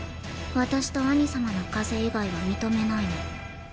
私と兄さまの風以外は認めないの。